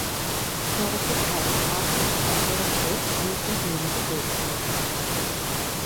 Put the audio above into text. সড়কের ধারে আট মাইল অন্তর অন্তর মসজিদ নির্মিত হয়েছিল।